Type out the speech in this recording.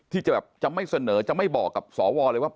ที่จะไม่เสนอจะไม่บอกกับสอวรเลยว่า